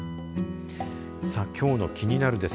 さあ、きょうのキニナル！です